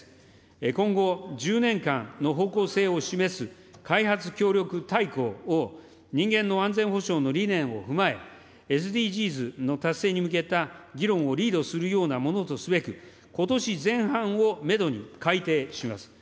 今後１０年間の方向性を示す開発協力大綱を人間の安全保障の理念を踏まえ、ＳＤＧｓの達成に向けた議論をリードするようなものとすべく、ことし前半をメドに改定します。